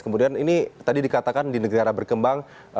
kemudian ini terdapat penyebutan di negara berkembang